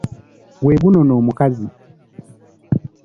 Gwe gunona omukazi.